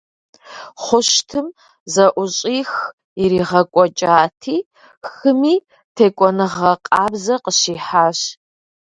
Хъущтым зэӏущӏих иригъэкӏуэкӏати, хыми текӏуэныгъэ къабзэ къыщихьащ.